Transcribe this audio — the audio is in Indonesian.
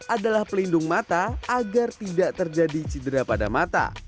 adalah pelindung mata agar tidak terjadi cedera pada mata